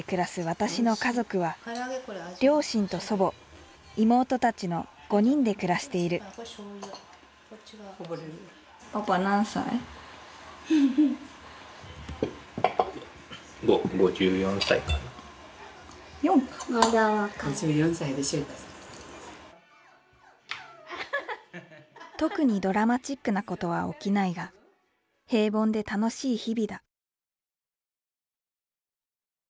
私の家族は両親と祖母妹たちの５人で暮らしている特にドラマチックなことは起きないが平凡で楽しい日々だ